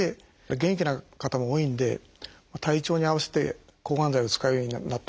元気な方も多いんで体調に合わせて抗がん剤を使うようになった。